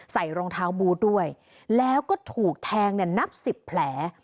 ใส่รองเท้าบูธด้วยแล้วก็ถูกแทงนับสิบแผล